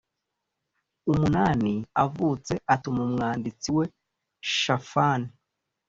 umunani avutse atuma umwanditsi we shafani